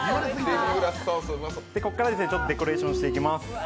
ここからデコレーションしていきます。